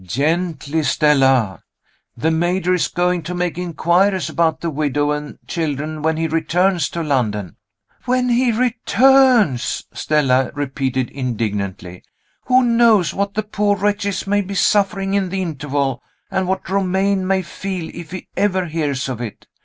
"Gently, Stella! The Major is going to make inquiries about the widow and children when he returns to London." "When he returns!" Stella repeated indignantly. "Who knows what the poor wretches may be suffering in the interval, and what Romayne may feel if he ever hears of it?